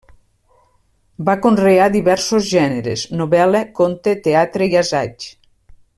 Va conrear diversos gèneres: novel·la, conte, teatre i assaig.